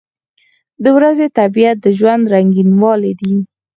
• د ورځې طبیعت د ژوند رنګینوالی دی.